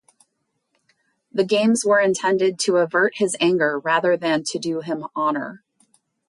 The games were intended to avert his anger rather than to do him honor.